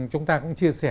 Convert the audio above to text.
chúng ta cũng chia sẻ